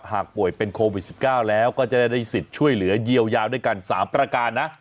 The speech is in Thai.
หากป่วยเป็นโควิดสิบเก้าแล้วก็จะได้ได้สิทธิ์ช่วยเหลือเยียวยาวด้วยกันสามประการนะ